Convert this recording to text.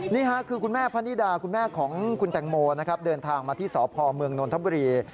นี่ค่ะคือคุณแม่พะนิดาคุณแม่ของคุณแตงโมนะครับเดินทางมาที่สพเมืองนนทบุรี